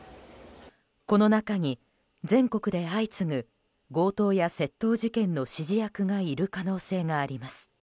この中に全国で相次ぐ強盗や窃盗事件の指示役がいる可能性があります。